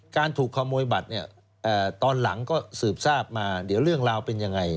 การถูกขโมยบัตรเนี่ยตอนหลังก็สืบทราบมาเดี๋ยวเรื่องราวเป็นยังไง